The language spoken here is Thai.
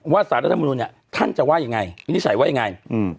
ว่าสารรัฐธรรมนูญเนี่ยท่านจะว่ายังไงนิสัยว่ายังไงอืม